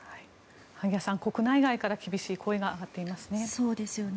萩谷さん、国内外から厳しい声が上がっていますね。